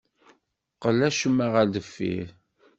Qqel acemma ɣer deffir.